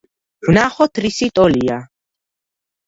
ვნახოთ რისი ტოლია.